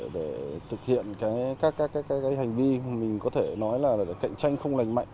để thực hiện các hành vi mà mình có thể nói là cạnh tranh không lành mạnh